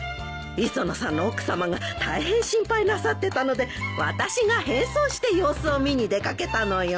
磯野さんの奥さまが大変心配なさってたので私が変装して様子を見に出掛けたのよ。